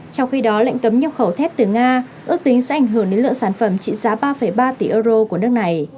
trong khi đó lệnh cấm nhập khẩu thép từ nga ước tính sẽ ảnh hưởng đến lượng sản phẩm trị giá ba ba tỷ euro của nước này